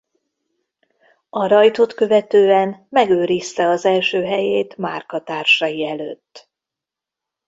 A rajtot követően megőrizte az első helyét márka társai előtt.